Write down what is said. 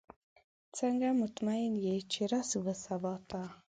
څنګه مطمئنه یې چې رسو به سباته؟